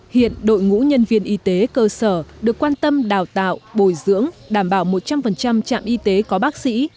hiện đội ngũ nhân viên y tế cơ sở được quan tâm đào tạo bồi dưỡng đảm bảo một trăm linh trạm y tế có bác sĩ